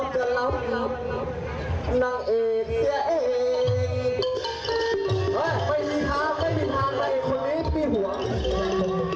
คร่างในมีคนอยู่ไหม